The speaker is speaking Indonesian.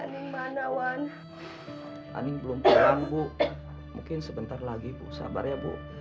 aning mana wan aning belum terang bu mungkin sebentar lagi bu sabar ya bu